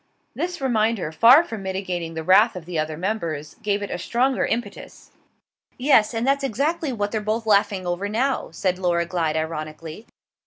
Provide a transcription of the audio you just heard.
This reminder, far from mitigating the wrath of the other members, gave it a stronger impetus. "Yes and that's exactly what they're both laughing over now," said Laura Glyde ironically. Mrs.